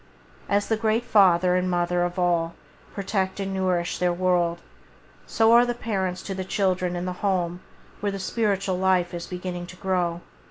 As the great Father and Mother of all protect and nourish their world, so are the parents to the children in the home where the spiritual life is beginning to grow.